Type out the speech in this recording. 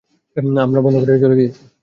আমরা বন্ধ করে দিয়েছি।